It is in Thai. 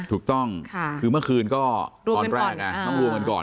ถูกต้องคือเมื่อคืนก็ตอนแรกต้องรวมกันก่อน